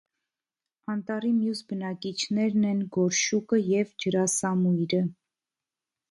Անտառի մյուս բնակիչներն են գորշուկը և ջրասամույրը։